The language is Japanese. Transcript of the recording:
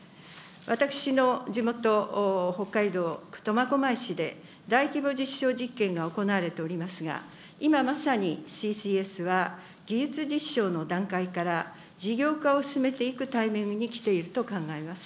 私の地元、北海道苫小牧市で、大規模実証実験が行われておりますが、今まさにＣＣＳは技術実証の段階から、事業化を進めていくタイミングに来ていると考えます。